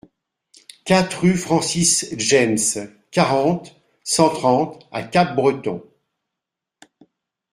quatre rue Francis James, quarante, cent trente à Capbreton